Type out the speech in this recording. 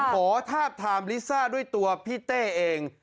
ขอทาบทามลิซ่าด้วยตัวพี่เต้เอง